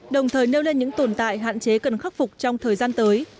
đồng thời nêu lên những tồn tại hạn chế cần khắc phục trong thời gian tới